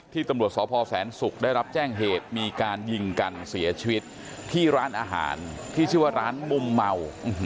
ตำรวจสพแสนศุกร์ได้รับแจ้งเหตุมีการยิงกันเสียชีวิตที่ร้านอาหารที่ชื่อว่าร้านมุมเมา